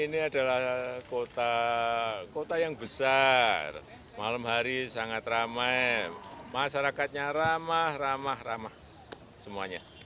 ini adalah kota yang besar malam hari sangat ramai masyarakatnya ramah ramah ramah semuanya